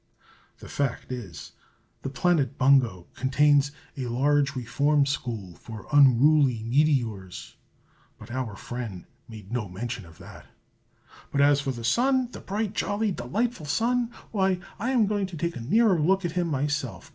[The fact is, the planet Bungo contains a large reform school for unruly meteors, but our friend made no mention of that.] "But as for the Sun, the bright, jolly, delightful Sun, why, I am going to take a nearer look at him myself.